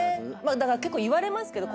結構言われますけど。